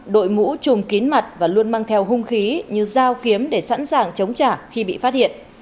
đội mũ chùm kín mặt và luôn mang theo hung khí như dao kiếm để sẵn sàng chống trả khi bị phát hiện